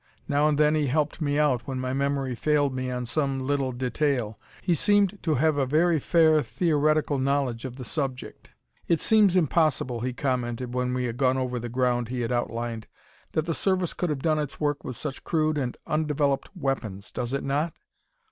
Now and then he helped me out, when my memory failed me on some little detail. He seemed to have a very fair theoretical knowledge of the subject. "It seems impossible," he commented, when we had gone over the ground he had outlined, "that the Service could have done its work with such crude and undeveloped weapons, does it not?"